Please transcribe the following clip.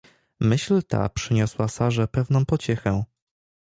Myśl ta przyniosła Sarze pewną pociechę.